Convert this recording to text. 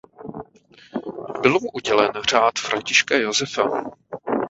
Byl mu udělen Řád Františka Josefa.